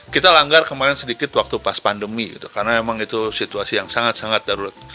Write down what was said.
kita langgar kemarin sedikit waktu pas pandemi karena memang itu situasi yang sangat sangat darurat